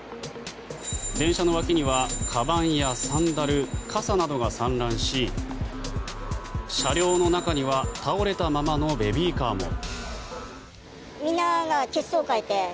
電車の脇にはかばんやサンダル傘などが散乱し車両の中には倒れたままのベビーカーも。